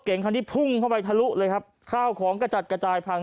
คันนี้พุ่งเข้าไปทะลุเลยครับข้าวของกระจัดกระจายพัง